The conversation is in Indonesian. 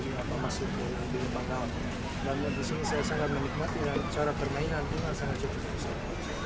timnas u dua puluh tiga menangkan kekuatan dan menangkan kekuatan